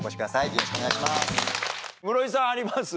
よろしくお願いします。